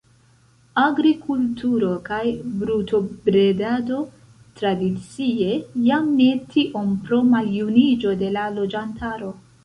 Agrikulturo kaj brutobredado tradicie, jam ne tiom pro maljuniĝo de la loĝantaro.